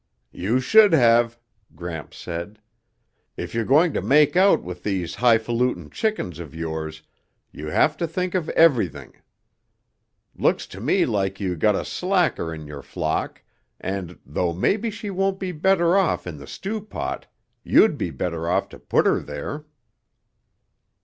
"You should have," Gramps said. "If you're going to make out with these hifalutin' chickens of yours you have to think of everything. Looks to me like you got a slacker in your flock and, though maybe she wouldn't be better off in the stew pot, you'd be better off to put her there."